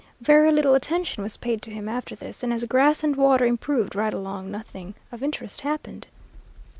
Very little attention was paid to him after this, and as grass and water improved right along nothing of interest happened.